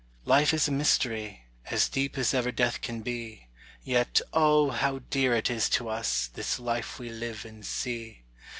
Life is a mystery, as deep as ever death can be; Yet, O, how dear it is to us, this life we live and see!